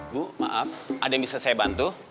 bu maaf ada yang bisa saya bantu